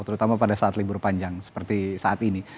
terutama pada saat libur panjang seperti saat ini